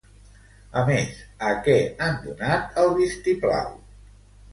A més, a què han donat el vistiplau?